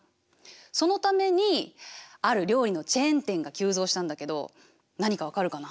そのためにある料理のチェーン店が急増したんだけど何か分かるかな？